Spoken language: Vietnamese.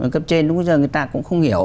cấp trên lúc bây giờ người ta cũng không hiểu